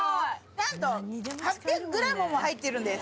何と８００ｇも入ってるんです。